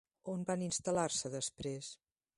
On van instal·lar-se després?